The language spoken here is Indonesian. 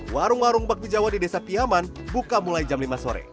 warung warung bakti jawa di desa piyaman buka mulai jam lima sore